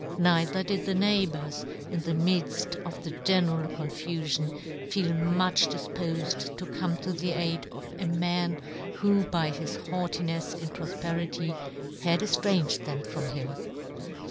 Neither did the neighbours, in the midfl of the general confufion, feel much difpofed to come to the aid of a man who by his haughtinefs in profperity had eftranged them from him.